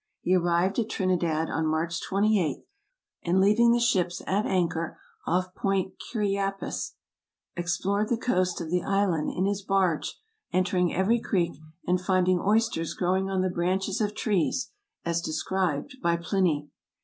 He arrived at Trinidad on March 28, and leaving the ships at anchor off Point Curia pass, explored the coast of the island in his barge, entering every creek, and finding oysters growing on the branches of trees, as described by Pliny.